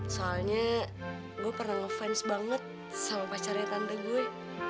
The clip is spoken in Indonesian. soalnya gue pernah ngefans banget sama pacarnya tante gue